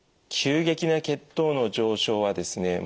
急激な血糖の上昇はですね